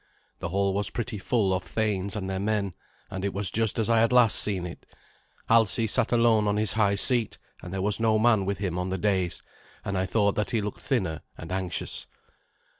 The hall was pretty full of thanes and their men, and it was just as I had last seen it. Alsi sat alone on his high seat, and there was no man with him on the dais. I thought that he looked thinner and anxious.